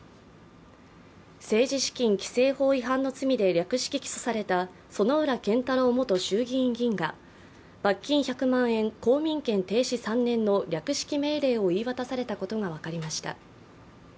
政治資金規正法違反の罪で略式起訴された薗浦健太郎元衆議院議員が罰金１００万円、公民権停止３年の略式起訴を言い渡されていたことが分かりました。